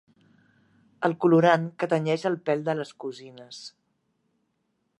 El colorant que tenyeix el pèl de les cosines.